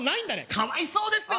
かわいそうですね